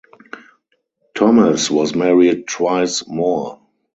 Thomas was married twice more.